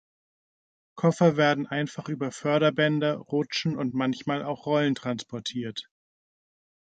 Koffer werden einfach über Förderbänder, Rutschen und manchmal auch Rollen transportiert.